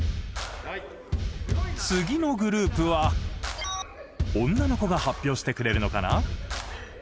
次のグループは女の子が発表してくれるのかな？